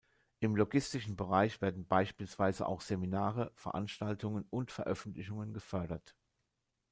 Im logistischen Bereich werden beispielsweise auch Seminare, Veranstaltungen und Veröffentlichungen gefördert.